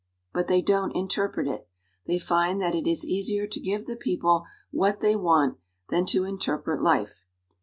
But they don't interpret it. They find that it is easier to give the people what they want than to interpret life.